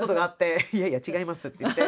「いやいや違います」って言って。